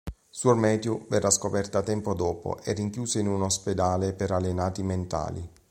Suor Mathieu verrà scoperta tempo dopo e rinchiusa in un ospedale per alienati mentali.